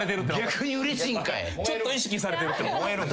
ちょっと意識されてるって。